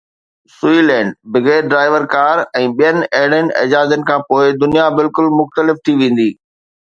سوئي لينٽ، بغير driver car ۽ ٻين اهڙين ايجادن کانپوءِ دنيا بلڪل مختلف ٿي ويندي.